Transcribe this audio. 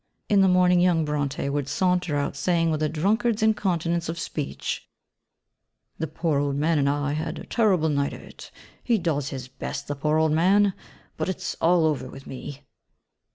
In the mornings, young Brontë would saunter out saying, with a drunkard's incontinence of speech, 'The poor old man and I have had a terrible night of it; he does his best, the poor old man, but it's all over with me.'